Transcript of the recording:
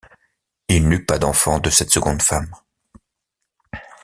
Il n'eut pas d'enfant de cette seconde femme.